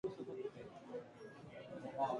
熊本県甲佐町